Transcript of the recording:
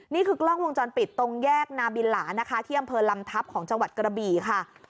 นี่คือกล้องวงจรปิดตรงแยกนาบินหลานะคะที่อำเภอลำทัพของจังหวัดกระบี่ค่ะ